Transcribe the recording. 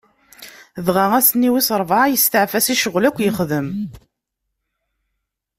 Dɣa, ass-nni wis sebɛa, isteɛfa si ccɣwel akk yexdem.